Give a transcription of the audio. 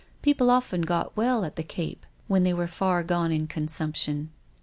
People often got well at the Cape when they were far gone in con sumption.